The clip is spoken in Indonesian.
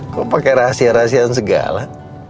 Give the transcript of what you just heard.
kok pake rahasia rahasian segala